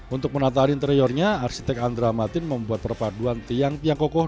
untuk menataan interiornya arsitek andra martin membuat perpaduan tiang tiang kokoh